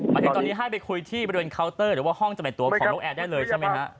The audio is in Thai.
ที่ตอนนี้ให้ไปคุยที่บริเวณเคาน์เตอร์หรือว่าห้องจำเป็นตัวของนกแอร์ได้เลยใช่ไหมฮะ